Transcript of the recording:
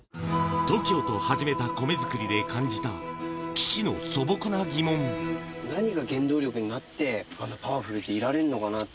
ＴＯＫＩＯと始めた米作りで何が原動力になって、あんなにパワフルでいられるのかなって。